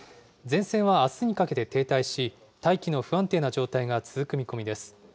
前線はあすにかけて停滞し、大気の不安定な状態が続く見込みです。